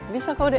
bisa kau dek